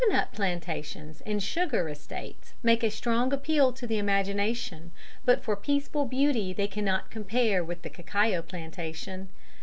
] Coconut plantations and sugar estates make a strong appeal to the imagination, but for peaceful beauty they cannot compare with the cacao plantation.